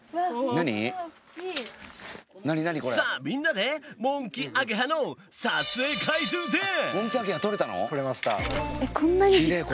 さあみんなでモンキアゲハのキレイ。